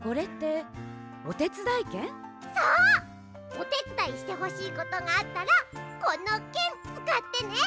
おてつだいしてほしいことがあったらこのけんつかってね。